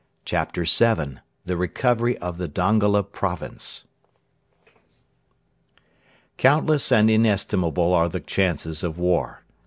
CHAPTER VII: THE RECOVERY OF THE DONGOLA PROVINCE Countless and inestimable are the chances of war.